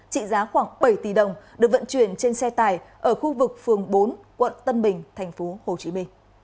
trị giá khoảng bảy tỷ đồng được vận chuyển trên xe tải ở khu vực phường bốn quận tân bình tp hcm